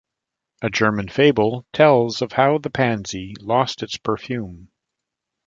A German fable tells of how the pansy lost its perfume.